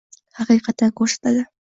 Haqiqatan ko'rsatadi.